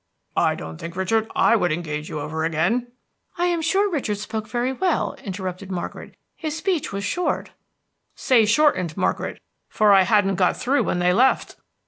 "I don't think, Richard, I would engage you over again." "I am sure Richard spoke very well," interrupted Margaret. "His speech was short" "Say shortened, Margaret, for I hadn't got through when they left."